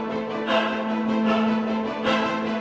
pertanyaan zadang yeni di berita ini